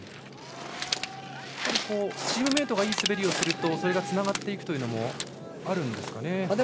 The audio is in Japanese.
チームメートがいい滑りをするとそれがつながっていくというのもあるんですかね。